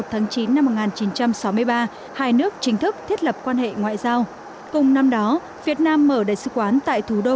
hai nước chính thức thiết lập quan hệ ngoại giao cùng năm đó việt nam mở đại sứ quán tại thủ đô